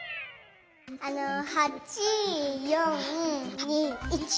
あの８４２１。